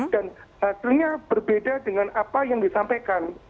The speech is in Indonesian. dan hasilnya berbeda dengan apa yang disampaikan